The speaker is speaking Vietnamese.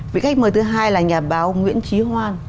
vị khách mời thứ hai là nhà báo nguyễn trí hoan